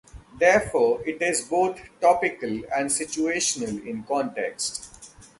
Therefore, it is both topical and situational in context.